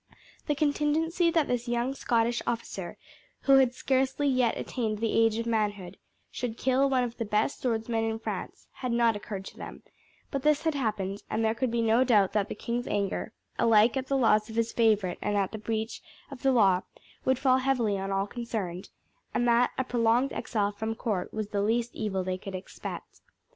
The contingency that this young Scottish officer, who had scarcely yet attained the age of manhood, should kill one of the best swordsmen in France had not occurred to them; but this had happened, and there could be no doubt that the king's anger, alike at the loss of his favourite and at the breach of the law, would fall heavily on all concerned, and that a prolonged exile from court was the least evil they could expect.